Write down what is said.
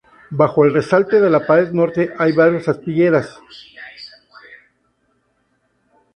Bajo el resalte de la pared norte hay varias aspilleras.